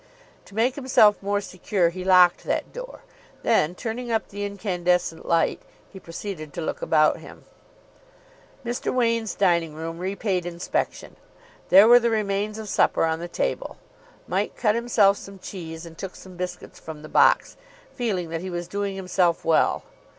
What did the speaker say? To make himself more secure he locked that door; then, turning up the incandescent light, he proceeded to look about him. Mr. Wain's dining room repaid inspection. There were the remains of supper on the table. Mike cut himself some cheese and took some biscuits from the box, feeling that he was doing himself well.